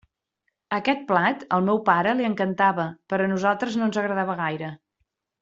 Aquest plat, al meu pare, li encantava, però a nosaltres no ens agradava gaire.